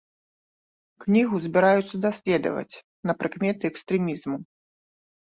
Кнігу збіраюцца даследаваць на прыкметы экстрэмізму.